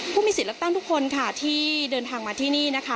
ผู้มีสิทธิ์เลือกตั้งทุกคนค่ะที่เดินทางมาที่นี่นะคะ